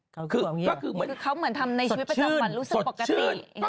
ก็คือเหมือนเขาเหมือนทำในชีวิตประจำวันรู้สึกปกติ